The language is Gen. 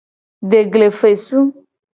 Deglefesu.